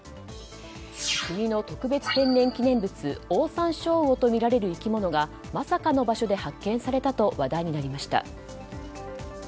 国の特別天然記念物オオサンショウウオとみられる生き物がまさかの場所で発見されたと話題になりました。